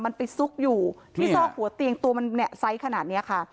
มันไปซุกอยู่ที่ซอกหัวเตียงตัวมันเนี่ยไซส์ขนาดนี้ค่ะ